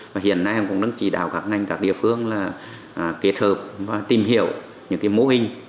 và hiện nay cũng đang chỉ đạo các ngành các địa phương kết hợp và tìm hiểu những mô hình